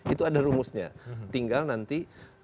itu ada rumusnya tinggal nanti